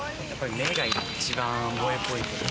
目が一番萌えポイントです。